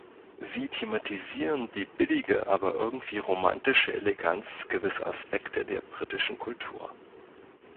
Sie thematisieren die „billige, aber irgendwie romantische Eleganz gewisser Aspekte der britischen Kultur“.